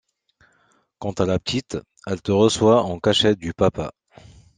Quant à la petite, elle te reçoit en cachette du papa.